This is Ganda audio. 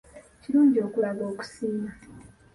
Kirungi okulaga okusiima.